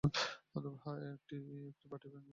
হ্যাঁ, একটা বাটি ভেঙে ফেলেছি।